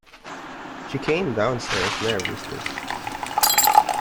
She came downstairs nervously.